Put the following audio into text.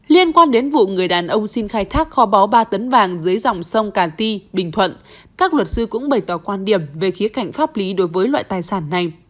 liên quan đến vụ người đàn ông xin khai thác kho bó ba tấn vàng dưới dòng sông càn ti bình thuận các luật sư cũng bày tỏ quan điểm về khía cạnh pháp lý đối với loại tài sản này